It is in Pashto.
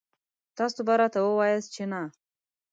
تاسو به راته وواياست چې نه.